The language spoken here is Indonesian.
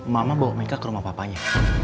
mama bawa mereka ke rumah papanya